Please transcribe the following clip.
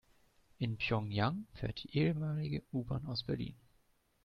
In Pjöngjang fährt die ehemalige U-Bahn aus Berlin.